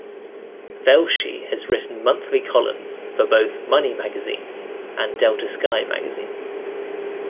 Velshi has written monthly columns for both "Money Magazine" and "Delta Sky" magazine.